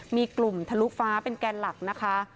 มีกลุ่มทะลุฟ้าเป็นแกนหลักนะคะ